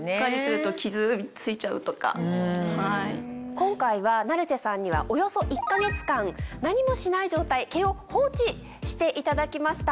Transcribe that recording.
今回は成瀬さんにはおよそ１か月間何もしない状態毛を放置していただきました。